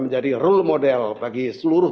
menjadi role model bagi seluruh